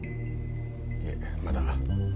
いえまだ。